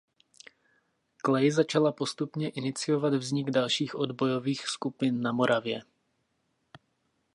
Clay začala postupně iniciovat vznik dalších odbojových skupin na Moravě.